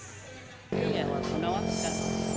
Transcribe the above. tidak ada yang menawarkan